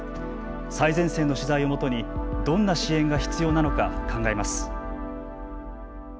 最前線の取材をもとにどんな支援が必要なのか考えます。